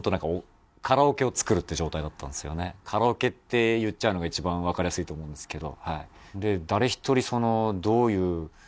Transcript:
カラオケって言っちゃうのが一番わかりやすいと思うんですけど。